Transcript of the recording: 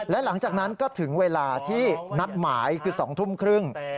และหลังจากนั้นก็ถึงเวลาที่นัดหมายคือ๒ทุ่มครึ่ง